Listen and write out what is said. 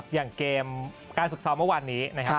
อย่างเกมการฝึกซ้อมเมื่อวานนี้นะครับ